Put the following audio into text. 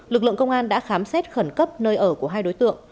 lực lượng công an đã khám xét khẩn cấp nơi ở của hai đối tượng